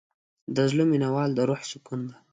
د زړه مینه د روح سکون ده.